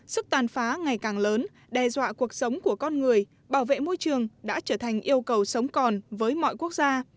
sức tàn phá ngày càng lớn đe dọa cuộc sống của con người bảo vệ môi trường đã trở thành yêu cầu sống còn với mọi quốc gia